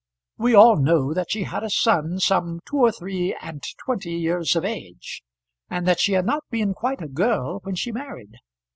We all know that she had a son some two or three and twenty years of age, and that she had not been quite a girl when she married.